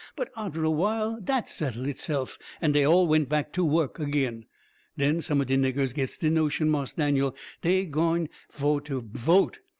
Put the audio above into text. But arter a while dat settle HITse'f, and dey all went back to wohk agin. Den some on de niggers gits de notion, Marse Daniel, dey gwine foh to VOTE.